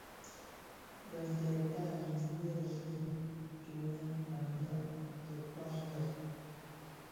Bintèd tanin byèbi tyonèn anëbekan lè.